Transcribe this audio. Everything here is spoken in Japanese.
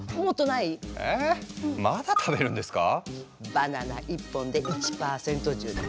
バナナ１本で１％充電。